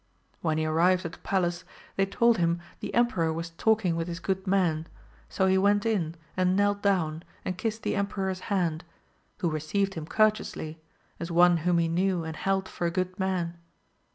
When he arrived at the palace they told him the emperor was talking with his good men, so he went AMADIS OF OAVL 135 in and knelt down and kissed the emperor's hand^ who received him courteously, as one whom he knew and held for a good man.